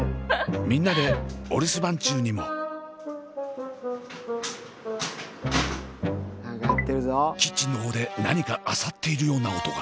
みんなでキッチンの方で何かあさっているような音が。